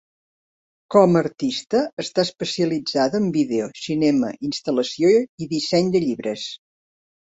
Com a artista està especialitzada en vídeo, cinema, instal·lació, i disseny de llibres.